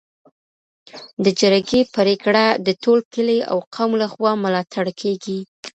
د جرګې پریکړه د ټول کلي او قوم لخوا ملاتړ کيږي.